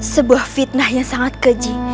sebuah fitnah yang sangat keji